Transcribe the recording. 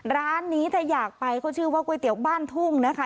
ร้านนี้ถ้าอยากไปเขาชื่อว่าก๋วยเตี๋ยวบ้านทุ่งนะคะ